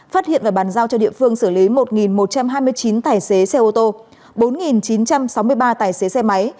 phát hiện và bàn giao cho địa phương xử lý một một trăm hai mươi chín tài xế xe ô tô bốn chín trăm sáu mươi ba tài xế xe máy